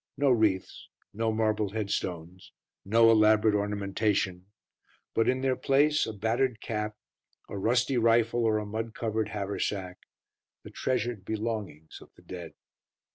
No wreaths; no marble headstones; no elaborate ornamentation; but in their place a battered cap, a rusty rifle or a mud covered haversack, the treasured belongings of the dead.